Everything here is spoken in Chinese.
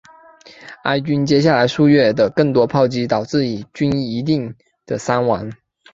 埃军接下来数月的更多炮击导致以军一定的伤亡。